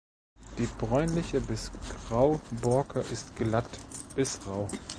Die bräunliche bis grau Borke ist glatt bis rau.